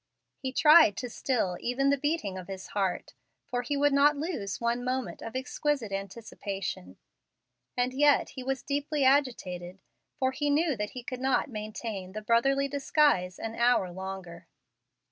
He tried to still even the beating of his heart, for he would not lose one moment of exquisite anticipation. And yet he was deeply agitated, for he knew that he could not maintain the brotherly disguise an hour longer.